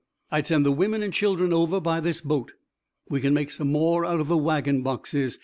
I'd send the women and children over by this boat. We can make some more out of the wagon boxes.